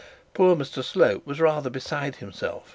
Poor Mr Slope was rather beside himself.